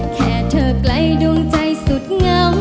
แค่เธอไกลดวงใจสุดเงา